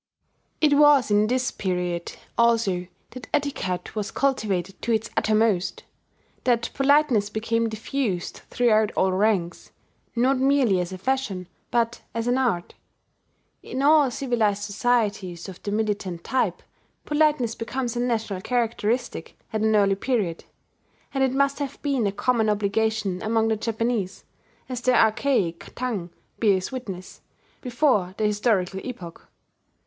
It was in this period also that etiquette was cultivated to its uttermost, that politeness became diffused throughout all ranks, not merely as a fashion, but as an art. In all civilized societies of the militant type politeness becomes a national characteristic at an early period; and it must have been a common obligation among the Japanese, as their archaic tongue bears witness, before the historical epoch.